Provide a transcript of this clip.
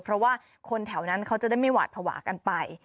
เพราะว่าคนแถวนั้นเขาจะได้ไม่หวาดภาวะกันไป